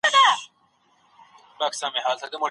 تازه سبزي د انسان د وجود لپاره ډېره ګټوره ده.